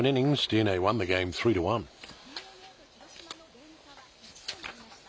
ＤｅＮＡと広島のゲーム差は１となりました。